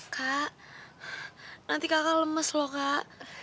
kak nanti kakak lemes loh kak